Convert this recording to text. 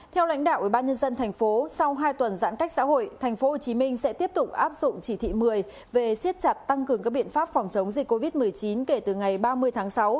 theo lãnh đạo ubnd tp sau hai tuần giãn cách xã hội tp hcm sẽ tiếp tục áp dụng chỉ thị một mươi về siết chặt tăng cường các biện pháp phòng chống dịch covid một mươi chín kể từ ngày ba mươi tháng sáu